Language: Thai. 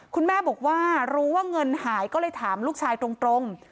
คุณแม่บอกว่ารู้ว่าเงินหายก็เลยถามลูกชายตรง